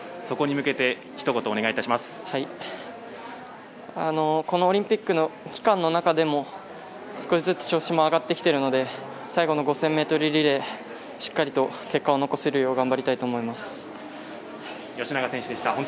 そこに向けてこのオリンピックの期間の中でも少しずつ調子も上がってきているので最後の５０００ｍリレーしっかりと結果を残せるよう吉永選手でした。